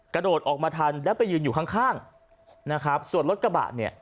กระโดดออกมาทันแล้วไปยืนอยู่ข้างข้างนะครับส่วนรถกระบะเนี่ย